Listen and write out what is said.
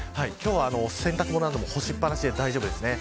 洗濯物なども干しっぱなしで大丈夫です。